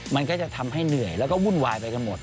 มันก็จะทำให้เหนื่อยแล้วก็วุ่นวายไปกันหมด